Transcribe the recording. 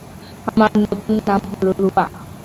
আমার নতুন নাম হল রূপা।